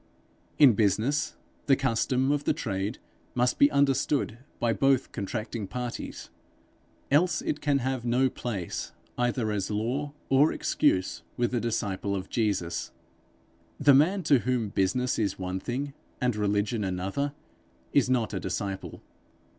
In business, the custom of the trade must be understood by both contracting parties, else it can have no place, either as law or excuse, with the disciple of Jesus. The man to whom business is one thing and religion another, is not a disciple.